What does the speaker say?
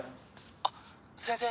「あっ先生？